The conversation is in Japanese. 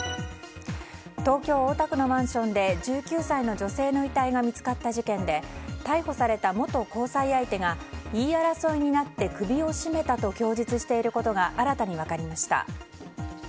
東京・大田区のマンションで１９歳の女性の遺体が見つかった事件で逮捕された元交際相手が言い争いになって首を絞めたと供述していることが新たに分かりました。